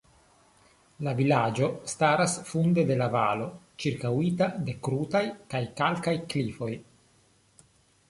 La vilaĝo staras funde de la valo ĉirkaŭita de krutaj kaj kalkaj klifoj.